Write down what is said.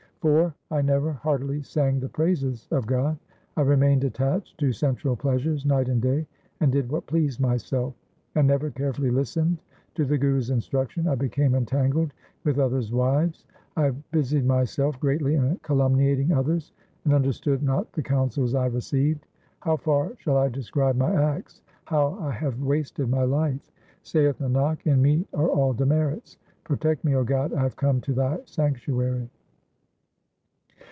1 IV 1 never heartily sang the praises of God ; I remained attached to sensual pleasures night and day, and did what pleased myself. I never carefully listened to the Guru's instruction : I became entangled with others' wives. I busied myself greatly in calumniating others, and under stood not the counsels I received. How far shall I describe my acts — how I have wasted my life ? Saith Nanak, in me are all demerits ; protect me, 0 God, I have come to thy sanctuary.